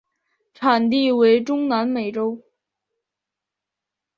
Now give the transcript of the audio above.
产地为中南美洲。